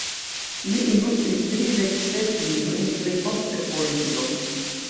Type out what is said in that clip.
Li ilustris tridek ses librojn, plej ofte poezion.